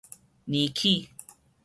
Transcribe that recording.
奶齒